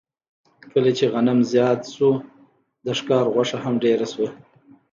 کله چې غنم زیات شو، د ښکار غوښه هم ډېره شوه.